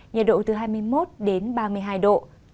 nhiệt độ từ hai mươi một đến ba mươi hai độ